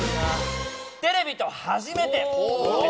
テレビと初めてです。